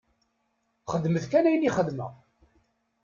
Xedmet kan ayen i xedmeɣ!